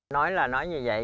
nói là nói như vậy